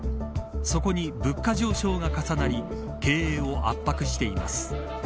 そこに物価上昇が重なり経営を圧迫しています。